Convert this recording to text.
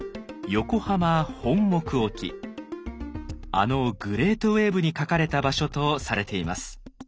あの「グレ−トウエーブ」に描かれた場所とされています。